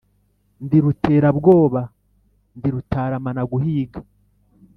Ndi Ruterabwoba ndi Rutaramanaguhiga.